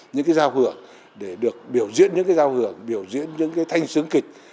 những cái giao hưởng để được biểu diễn những cái giao hưởng biểu diễn những cái thanh sướng kịch